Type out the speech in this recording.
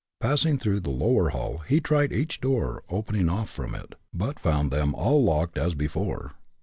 Passing through the lower hall, he tried each door opening off from it, but found them all locked, as before.